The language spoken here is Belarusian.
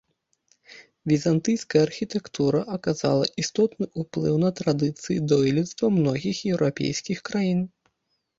Візантыйская архітэктура аказала істотны ўплыў на традыцыі дойлідства многіх еўрапейскіх краін.